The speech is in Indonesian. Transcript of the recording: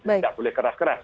jadi tidak boleh keras keras